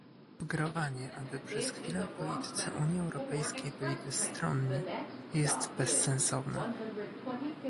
Sugerowanie, aby przez chwilę politycy Unii Europejskiej byli bezstronni, jest bezsensowne